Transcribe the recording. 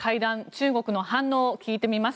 中国の反応を聞いてみます。